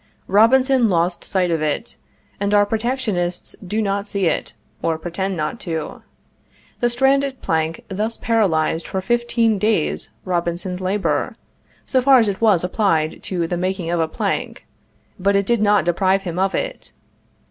Robinson lost sight of it, and our protectionists do not see it, or pretend not to. The stranded plank thus paralyzed for fifteen days Robinson's labor, so far as it was applied to the making of a plank, but it did not deprive him of it.